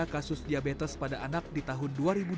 kasus diabetes pada anak di tahun dua ribu dua puluh